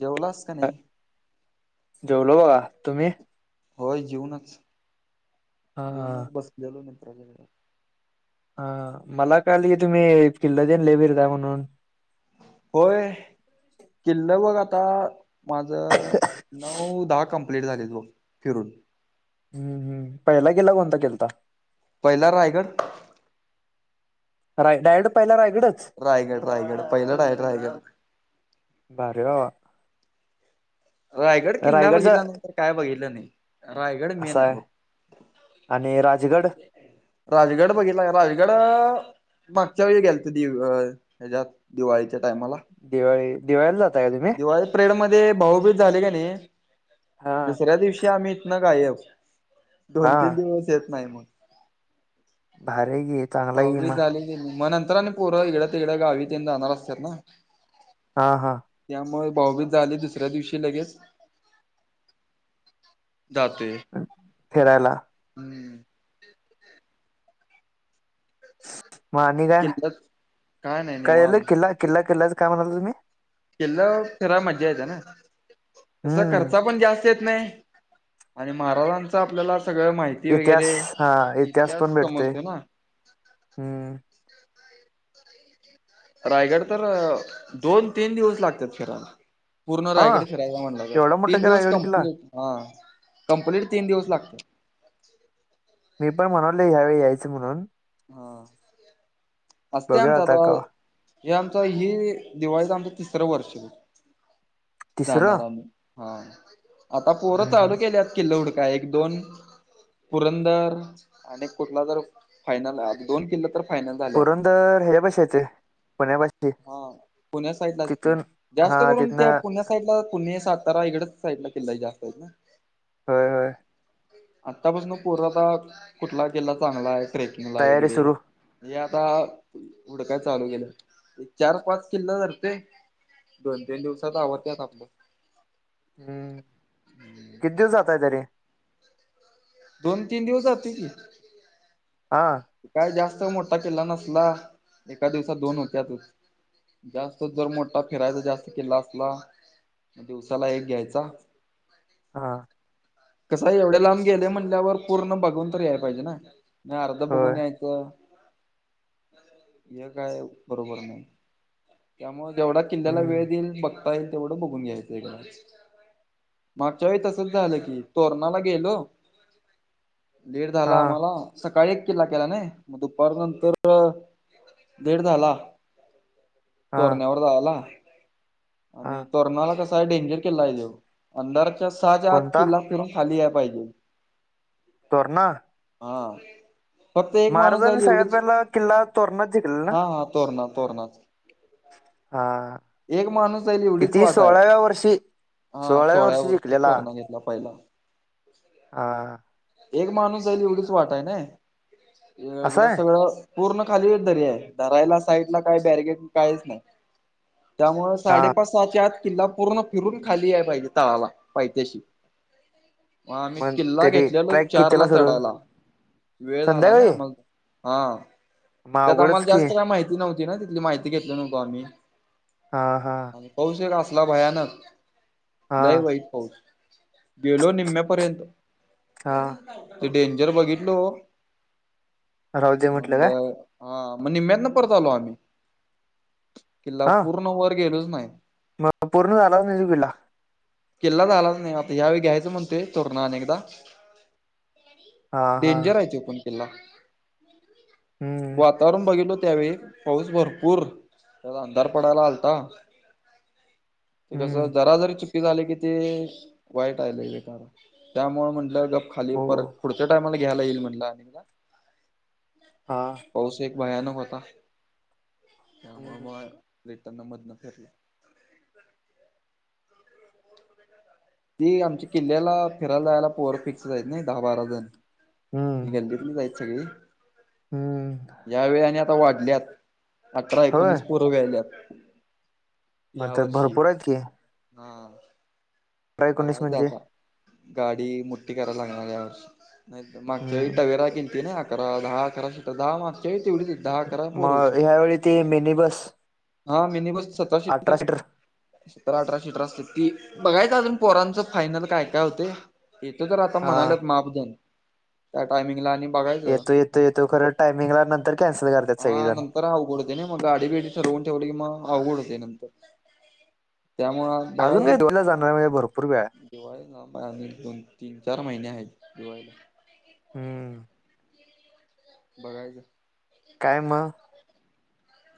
जेवलास का, नाइ? जेवलो बगा, तुमी? होय जेऊनच, हा जेऊनच बसलेलो, मित्राकड [unintelligible] वेळ. हां, मला काल हे तुम्ही, [unintelligible] देन [unintelligible] द म्हणून. होय, किल्ला बघ आता. माज, नऊ-दाहा कंप्लीट झालेत बग, फिरून. हम्म हम्म, पइला किल्ला, कोणता केलता? पयला रायगड राय डायरेक्ट, पइला रायगडच? रायगड रायगड, पइला डायरेक्ट रायगड. भारीय [unintelligible] रायगड किल्ला रायगडचा बगितला नाइ, तर काय बगीतलं नइ. कसाय आणि राजगड? राजगड बगीतला, रायगड मागच्या वेळी गेल त, दि हेज्यात दिवाळीच्या टायमाला दिवाळी, दिवाळीला जाताय का, तुमी? [unintelligible] पिरेड मध्ये भाऊबीज झाले, का नाही? हा दुसऱ्या दिवशी आम्ही तितन गायब, हा दोन-तीन दिवस येत नाई, मग. भारी आहे की चांगला आहे की भाऊबीज मग झाली. म नंतर, अन पोरं इगड-तिगड गावी, तेन जाणार असत्यात ना. हा हा. त्यामुळ भाऊबीज झाली, दुसऱ्या दिवशी लगेच. जातोय फीरायला [unintelligible] म निघा, किल्ल्यात नाही काय याल निवांत किल्ला-किल्ला, किल्लाच काय म्हणाल तुम्ही? कील्लाव फिराय मज्जा येत ना? तस करत हम्म [unintelligible] चा पण ज्यास्त येत नाइ आणि महाराजांच आपल्याला सगळं माहि इतिआस, हां इतिआस, पण भेटतोय, समजतोय ना. हम्म. रायगड तर अ दोन तीन दिवस लागत्यात फिरायला. पूर्ण हा रायगड फिरायचा म्हणलं तर, एवढा मोठा तीन का दिवस रायगड किल्ला कम्प्लीट हा कम्प्लीट तीन दिवस लागतं. मी पण म्हणालोय ह्यावेळी यायचं म्हणून, हा असते बघूया आमचा आता का काय. हे आमच हि दिवाळीच आमचं तिसरं वर्ष. तिसरं जाणार आम्ही हा आता पोरं हम्म, हम्म. चालू केल्यात किल्ल हूडकाय एक दोन- पुरंदर, आणि कुटला तर फायनल आय आणि दोन किल्ल तर- फायनल झाल्या पुरंदर हे च्या पशी येतंय. हा पुण्या साइड लाच की तिथून हा जास्त करून त्या तिथनं पु- पुण्या साईड ला पुणे सातारा इकडच साईड ला किल्लाय जास्त आहेत ना. होय होय. आतापासून पोर आता कुठला किल्ला चांगला आहे ट्रेकिंगला तयारी वगैरे. सुरू हे आता हुड काय चालू केेल्यात चार पाच किल्ल धरतय- दोन तीन दिवसात आवरत्यात आपलं. हम्म किती दिवस जातय तरी? दोन तीन दिवस जातय की. आं. काय जास्त मोटा कील्ला नसला, एका दिवसात दोन होत्यात. जास्त जर मोठा फिरायचा जास्त किल्ला असला. दिवसाला एक घ्यायचा. हां. कसय एवढ्या लांब गेलय म्हणल्यावर पूर्ण बघून तर याय पाहिजे ना. आर्ध होय बघून यायचं हे काय बरोबर नाही. त्यामुळे जेवढा किल्ल्याला हम्म. वेळ देईल बघता येईल तेवढं बघून घ्यायचं आहे एकदाच. मागच्या वेळी तसच झालं की तोरणाला गेलो, लेट झाला हा आम्हाला. सकाळी एक किल्ला केला नाय, मग दुपार नंतर लेट झाला. हा तोरण्यावर जायाला हा आणि तोरणाला कसा आहे डेंजर किल्ला आहे तो अंधारच्या सहाच्या आत कोणता किल्ला फिरून खाली याय पाहिजे. तोरणा? हा फक्त एक माणूस महाराजांनी जाईल सगळ्यात एवढीच पहिला किल्ला तोरणात जिंकलेला ना हा हा. तोरण तोरणा च. हा माणूस जाईल एवढीच किती वाट आहे सोळाव्या वर्षी हा सोळाव्या सोळ्या वर्षी वरती जिकलेला [unintelligible] पहिला. हा. हा एक माणूस जाईल एवढीच वाट आहे ना असं ईकड आहे सगळं पूर्ण खाली व दरी आहे. धरायला साईड ला काही बॅरगेट काहीच नाही. त्यामुळं हा साडेपाच सहाच्या आत किल्ला पूर्ण फिरून खाली याय पाहिजे तळाला पायत्याशी. आम्ही मग किल्ला तरी घेतलेलो ट्रॅक चारला कितीला सुरू चढायला, वेळ झाला नाही संध्याकाळी आम्हाला. हा मग त्यात आम्हाला अवघडच की जास्त काय माहिती नव्हती ना तिथली, माहिती घेतली नव्हतो आम्ही. हा हां. आणि पाऊस एक असला भयानक हा लय वाईट. पाऊस गेलो निम्मे पर्यंत- हां. ते डेंजर बघितलो राहू दे म्हटलं म्हणल काय हा मग निम्म्यातन परत आलो आम्ही किल्ला पूर्ण वर गेलोच नाही. म पूर्ण झालाच नाही तो किल्ला? किल्ला झालाच नाही आता ह्यावेळी घ्यायचं म्हणतोय तोरणा अनेकदा. हा हा डेंजर आहे तो पण किल्ला हम्म वातावरण बघितलो त्यावेळी पाऊस भरपूर त्याला अंधार पडायला आलता. ते कस हम्म जरा जरी ची चुकी झाली कि ते वाईट हाय लय बेकार त्यामुळे म्हंटलं गप खाली हो परत पुढच्या टायमाला घ्यायला येईल म्हणला आणि एकदा. हा. पाऊस एक भयानक होता, त्यामुळे हम्म मग रिटर्न मधनं फिरल. ती आमच्या किल्ल्याला फिरायला जायला पोर फिक्सच आहेत नाही दहा बारा जण. हि हम्म गल्लीतली च हायत सगळी. हम्म. या वेळी आणि आता वाढल्यात अठरा होय एकोणीस पोरं व्हायल्यात. मग या तर वर्षी भरपूर आहेत की अठरा हा. एकोणीस बघायचं म्हणजे आता गाडी मोठी करायला लागणार या वर्षी. मागच्या हम्म टवेरा केलती ना अकरा दहा अकरा श दहा मागच्या वेळी तेवढीच दहा अकरा पोर मग होती. ह्यावेळी ते मिनी बस हा मिनी बस अठरा सतराशीटर सीटर सतरा, अठरा शीटर असते ती बघायच अजून पोरांचं फायनल काय काय होतय येतो तर आता हा म्हणालेत मापजन. त्या टायमिंगला आणि बघा येतो येतो येतो करत टायमिंगला नंतर कॅन्सल करतात सगळेजण. तर अवघड होते नाही मग गाडी बिडी ठरवून ठेवली की मग अवघड होते नंतर त्यामुळ अजून नाही दोनला जाणार म्हणजे भरपूर वेळ हाय. दिवाळी लांब आहे आजून दोन तीन चार महिने आहेत दिवाळीला. हम्म बघायच. काय मग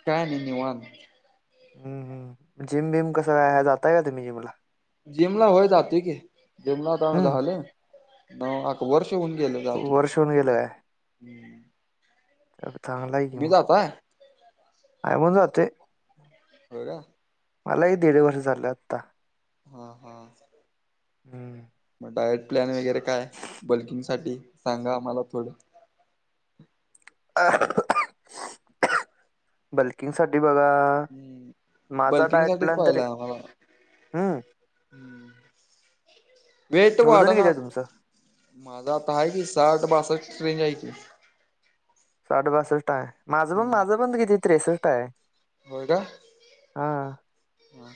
काय आणि निवात. हम्म हम जिम बिम कस काय ह जाताय का तुम्ही जिमला. जिमला होय जातोय की जिमला आता हम्म झालं न वर्ष होऊन गेल. वर्ष होऊन गेल काय चागलाय कि तुम्ही मग जाताय काय म्हणून जातोय. होय का मला ही दीड वर्ष झालं आता. हा हा हम्म मग डायट प्लॅन वगैरे काय बल्किंग साठी सांगा आम्हाला थोडं. बल्किंगसाठी बघा हम् माझा बल्किंग डायट साठीच प्लॅन तरी पाहिला आम्हाला. हम्म वेट वजन किती आहे वाढणाच. तुमचं माझा आता आहे की साठ बासष्टची ट्रेंज हाय की. साड बासष्ट आहे माझं पण हम्म. माझं पण किती त्रेसष्ट आहे होय का हा ह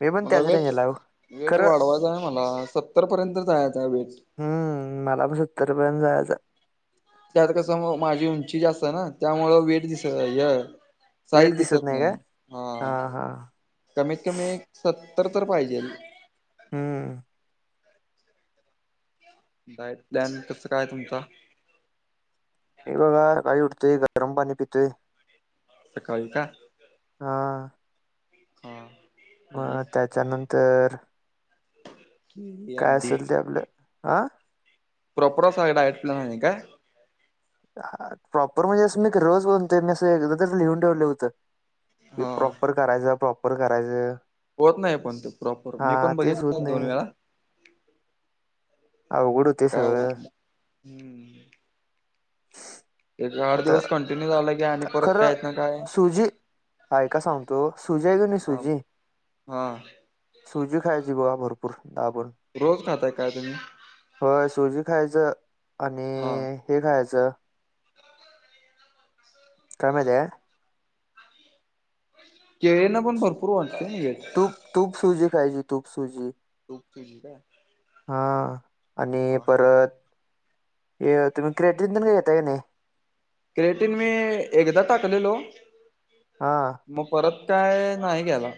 मी पण मला त्याच वेट रेंजला आहे ओ वेट खरं वाढवायचा आहे मला सत्तर पर्यंत जायचं आहे वेट. हम्म मला पण सत्तरपर्यंत जायचं आहे त्यात कसं म माझी उंची जास्त ना त्यामुळं वेट दिसत साईज दिसत नाही हा कमीत कमी सत्तर तर पाहिजे हम्.. डायट प्लान कस काय तुमचा? इथ का य आई उटते गरम पाणी देते सकाळी का? हा हा आणि मग त्याच्यानंतर केळी काय अंडी असेल ते आपलं हा प्रॉपर अस सगळ डायट प्लान आहे काय? हा प्रॉपर म्हणजे असं मी रोज बनतोय मी असं एकदा तरी लिहून ठेवलं होतं क हा प्रॉपर करायचं प्रॉपर करायचं होत नाही पण ते प्रॉपर मी हा पण तेच होत बघितलं दोन नाही वेळा अवघड होते काय होत सगळं नाही हम्म एक आठ आता दिवस कंटिन्यू झाला की आणि परत खरं काय ना काय सोजी ऐका सांगतो सुजी आहे की नाही हा सुजी हा सुजी खायची बघा भरपूर. दाबूण रोज खातय काय तुम्ही? हो सुजी खायचं आणि हा हे खायचं चहा, काय माहिती हाय का? केळेना पण भरपूर वाटतय ना हे तूप तूप सूझी खायची तूप सूजी [inaudible] हा आणि हा हा. परत ये तुम्ही क्रेडिट देऊन घेताय का नाही? क्रेडिट मी एकदा टाकलेलो हा.. मग परत काय नाही घ्याया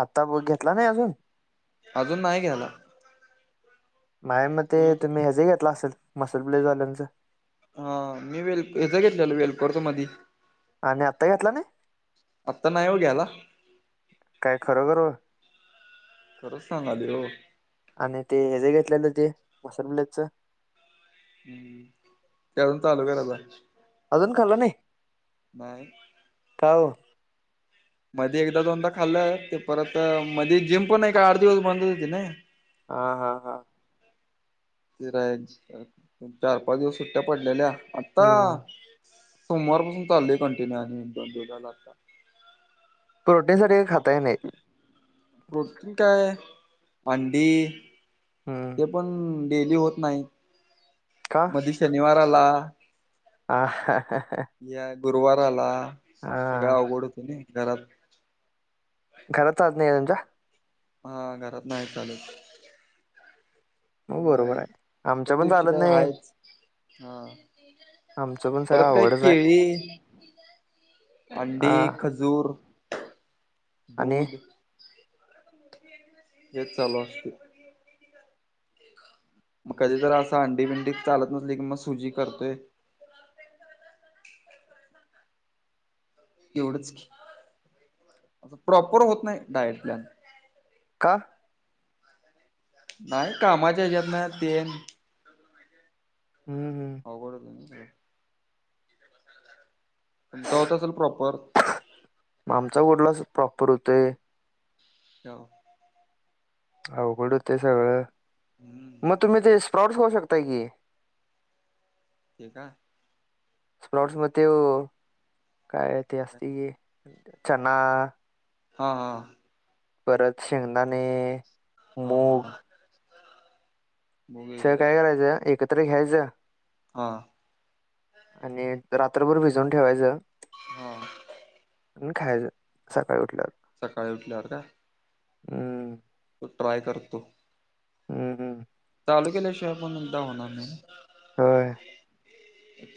आता बघ घेतला नाही अजून अजून नाही घ्यायला नाय मी ते तुम्ही ह्याज घेतला असेल मसूल प्ले झाल्याच हा मी वेल हचा घेतलेलो वेलपोर मध्ये आणि आत्ता घेतला नाही आत्ता नाही हो घ्यायला काय खरोखर खरंच सांगालोय हो आणि ते हे जे घेतलेलं ते मासुल प्ले च हम्म.. ते अजून चालू करायाचं अजून खाल्ल नाही? नाही का ओ मध्ये एकदा दोनदा खाल्लं ते परत मध्ये जिम पण नाही का आठ दिवस बंद होते नाही ह हा हा... ति चार पाच दिवस सुट्ट्या पडलेल्या आत्ता हम्म सोमवारपासून चाल कंटिन्यू आणि दोन दो लाता. प्रोटीनसाठीठी काही खाताय नाही. रटून काय अंडी. [unintelligible] हम्म. ते पण डेली होत नाही का मध्ये शनिवारला आला. ह ह. या गुरुवार आला सगळ हा. अवघड होत न घरात. घरचाज नाही तुमच्या. हा घरात नाही चालत मग म बरोबर आहे इतर आमच्या पण दिवशी चालत काय नाही आहेच हा. आमचं पण सगळं परत काय आवडच आहे केळी हा अंडी. जूर आणि दूध. हे ल असतील. मग कधीतर असं अंडी बिंडी चालत नसली की मग सुजी करतोय. एवढच प्रॉपर होत नाही डायट प्लॅन. काहा. नाही कामाच्या ह्याच्यात नाही तेन. हम् हम. हो कठत. [unintelligible] चा होत असेल प्रॉपर. मग आमचा वडला प्रॉपर होतय. हो. अवघडं ते सगळं हम्म मग तुम्ही ते स्प्रॉट्स खाऊ शकताय की. ठी का. स्पलॉटस मध्ये काय ते असती. चना. हा हा. परत शेंगदाणे हा मूग. हा मूवी सगळ वगैरे काय करायचं एकत्र घ्यायचं. हां. आणि रात्रभर भिजून ठेवायचं हो. आणि खाय सकाळी उठल्यात. सकाळी उठल्यावर का. हम्म तो ट्राय करतो. हम् हम. चाल केल्याशिवाय म्हणून जाऊणारम्ही. होय.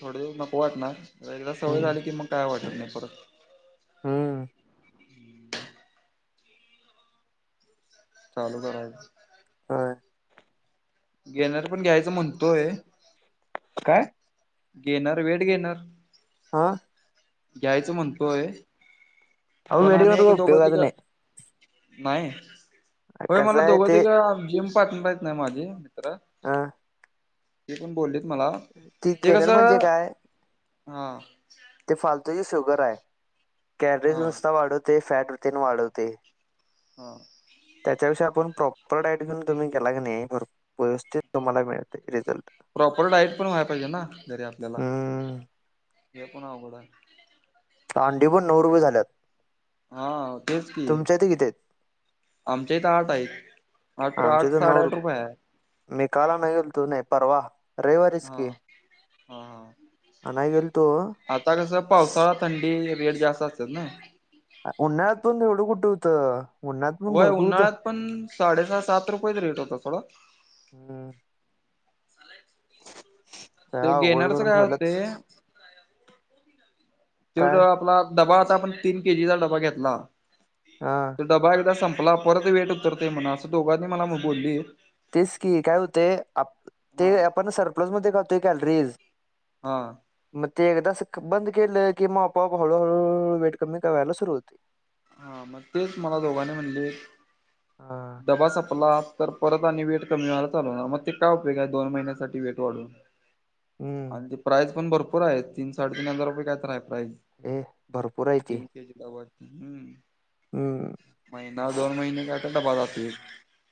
थोडे नक वाटणारला सवय हम्म झाली की मग काय वाटत नाही परत. हम. चालू करायचं. ह. घेणार पण घ्यायचं म्हणतोय. काय? घेणार वेळ घेणार हा. घ्यायचं म्हणतोय, अहो पण वेट आणि करून एक काय दोघं तिघ उपयोगाचं नाही नाही होय कसं मला आहे दोघं ते तिघ जिम पार्टनर आहेत ना माझे मित्र अ ते पण बोललेत मला ती ते गेनर म्हणजे कसं काय हा ते फालतूची शुगर आहे, कॅलरीज हा नुसता वाढवते फॅट रूटीन वाढवते हा. त्याच्याविषयी आपण प्रॉपर डाईट घेऊन तुम्ही केल की नाही भर व्यवस्थित तुम्हाला मिळते रिझल्ट प्रॉपर डाईट पण व्हाया पाहिजे ना जरी आपल्याला हम्म ते पण अवघड आहे अंडी पण नऊ रुपये झाल्यात हा तेच की तुमच्या इथे किती आहेत? आमच्या इथे आठ आहेत. अठरा आमच्या आठ इथे नऊ साडेआठ रुपये आहे. मी काल आनाय गेलतो नाय परवा रविवारीच हा की हा हा आनाय गेलतो आता कसं पावसाळा थंडी रेट जास्त असत्यात ना उन्हाळ्यात पण एवढं कुठे होतं. उन्हाळ्यात पण होय भरपूर होतं उन्हाळ्यात पण साडेसहा सात रुपयेच रेट होता थोडा हम्म. सगळं ते अवघड घेणारच करून काय ठेवल्यात होते ते काय आपला डबा आता आपण तीन केजीचा डबा घेतला हा. तर डबा एकदा संपला परत वेट उतरते म्हणा असं दोघांनी मला बोलली तेच की काय होते आप ते हा आपण सरप्लस मध्ये खातोय कॅलरीज हा. मग ते एकदा अस बंद केलं की मग आपोआप हळूहळू वेट कमी करायला सुरु होते. हा मग तेच मला दोघांनी म्हणले हा. डबा संपला तर परत आणि वेट कमी व्हायला चालू होणार मग ते काय उपयोग आहे दोन महिन्यासाठी वेट वाढून हम्म आणि ते प्राइज पण भरपूर आहे तीन साडे तीन हजार रुपये काय तर हाय प्राईज हम्म भरपूर आहे की. डब्याची. हम्म. हम्म. महिना दोन महिने कायतो डबा जातोय.